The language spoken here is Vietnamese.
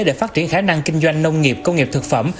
để phát triển khả năng kinh doanh nông nghiệp công nghiệp thực phẩm